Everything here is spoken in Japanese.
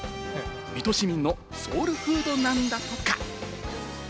水戸市民のソウルフードなんだとか。